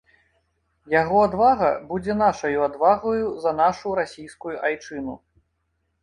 Яго адвага будзе нашаю адвагаю за нашу расійскую айчыну.